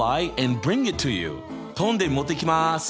飛んで持ってきます！